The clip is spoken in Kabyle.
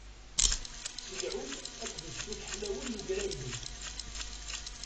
S lɛud akked ṣṣut ḥlawen n ugrambi.